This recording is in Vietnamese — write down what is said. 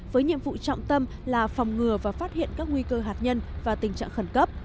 với nhiệm vụ trọng tâm là phòng ngừa và phát hiện các nguy cơ hạt nhân và tình trạng khẩn cấp